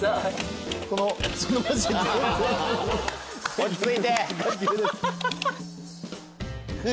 落ち着いて。